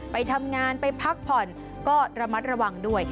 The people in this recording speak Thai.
ไปทำงานไปพักผ่อนก็ระมัดระวังด้วย